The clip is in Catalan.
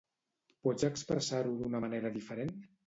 Pots expressar-ho d'una manera diferent?